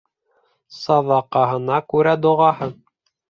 Саҙаҡаһына күрә доғаһы.